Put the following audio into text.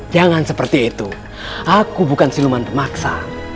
jangan seperti itu aku bukan siluman pemaksa